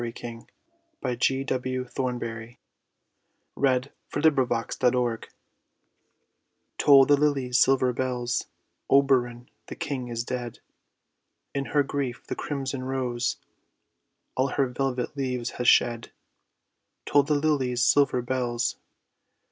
DIRGE ON THE DEATH OF OBERON, THE FAIRY KING Toll the lilies' silver bells! Oberon, the King, is dead! In her grief the crimson rose All her velvet leaves has shed. Toll the lilies' silver bells!